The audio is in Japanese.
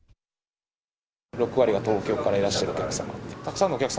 ６割が東京からいらっしゃるお客様。